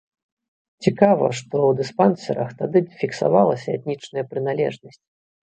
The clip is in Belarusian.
Цікава, што ў дыспансерах тады фіксавалася этнічная прыналежнасць.